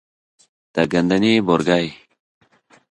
د ګندنې بورګی،